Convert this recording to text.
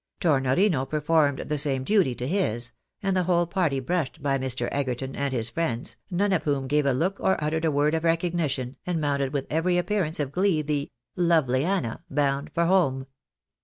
Tornorino performed the same duty to his, and the whole party brushed by Mr. Egerton and his friends, none of whom gave a look or uttered a word of recognition, and mounted with every appearance of glee the " Lovely Anna," bound for home.